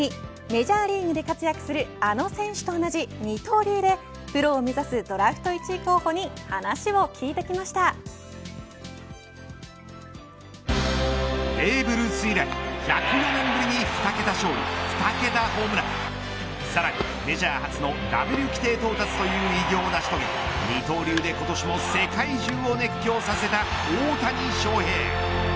メジャーリーグで活躍するあの選手と同じ二刀流でプロを目指すドラフト１位候補にベーブ・ルース以来１００年ぶりに２桁勝利、２桁ホームランさらにメジャー初のダブル規定到達という偉業を成し遂げ二刀流で今年も世界中を熱狂させた大谷翔平。